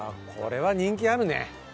これは人気あるね。